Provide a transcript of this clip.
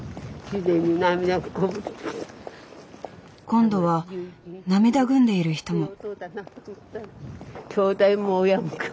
今度は涙ぐんでいる人も。